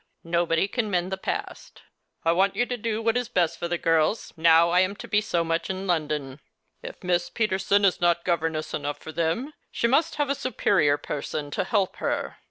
Nobody can mend the past. I want you to do what is best for the girls now I am to be so much in London. If Miss Peterson is not governess enough for them she must have a superior person to help her.